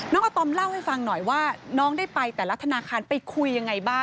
อาตอมเล่าให้ฟังหน่อยว่าน้องได้ไปแต่ละธนาคารไปคุยยังไงบ้าง